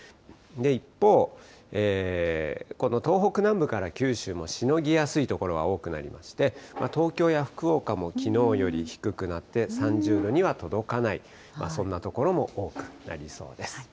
一方、この東北南部から九州もしのぎやすい所は多くなりまして、東京や福岡もきのうより低くなって、３０度には届かない、そんな所も多くなりそうです。